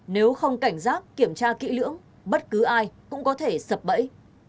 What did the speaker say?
nếu không cảnh giác kiểm tra kỹ lưỡng bất cứ ai cũng có thể sập bẫy